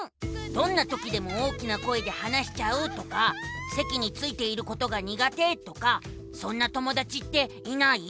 「どんなときでも大きな声で話しちゃう」とか「せきについていることが苦手」とかそんな友だちっていない？